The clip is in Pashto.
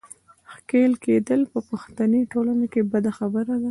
ښېل کېدل په پښتني ټولنه کې بده خبره ده.